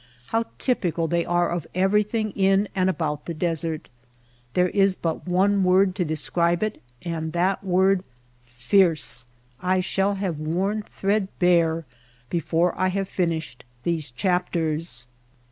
How typical they are of everything in and about the desert. There is but one word to describe it and that word — fierce — I shall have worn threadbare before I have finished these chapters.